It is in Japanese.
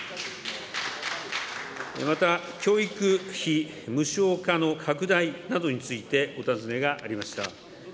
また、教育費無償化の拡大などについてお尋ねがありました。